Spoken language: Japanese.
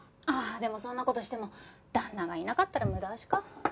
ああでもそんな事しても旦那がいなかったら無駄足か。